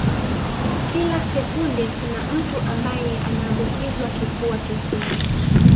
Kila sekunde kuna mtu ambaye anaambukizwa kifua kikuu